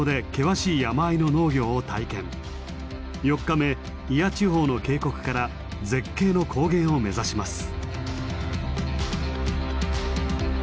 ４日目祖谷地方の渓谷から絶景の高原を目指します。